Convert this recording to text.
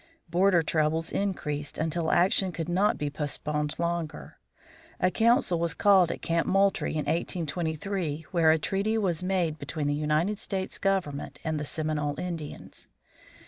Border troubles increased until action could not be postponed longer. A council was called at Camp Moultrie in 1823, where a treaty was made between the United States government and the Seminole Indians.